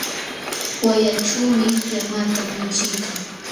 Wayllaćhuumi llamata michiykaa.